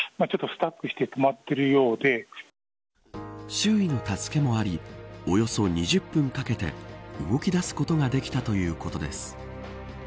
周囲の助けもありおよそ２０分かけて動きだすことができたということです。